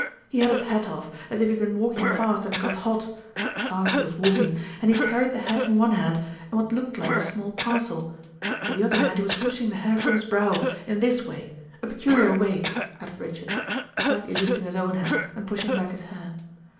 He had his hat off, as if he had been walking fast and had got hot fast he was walking; and he carried the hat in one hand, and what looked like a small parcel. With the other hand he was pushing the hair from his brow in this way a peculiar way," added Richard, slightly lifting his own hat and pushing back his hair.